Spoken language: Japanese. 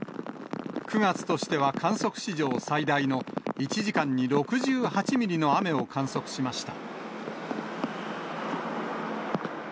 ９月としては観測史上最大の１時間に６８ミリの雨を観測しました。